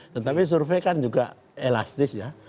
tetapi survei kan juga elastis ya